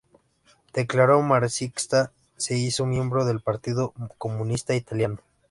Declarado marxista, se hizo miembro del Partido Comunista Italiano.